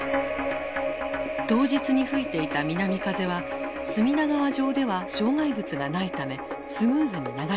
当日に吹いていた南風は隅田川上では障害物がないためスムーズに流れていた。